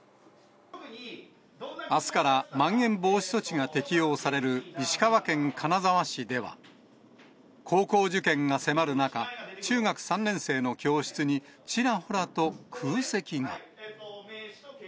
あすからまん延防止措置が適用される石川県金沢市では、高校受験が迫る中、中学３年生の教室に、ちらほらと空席が。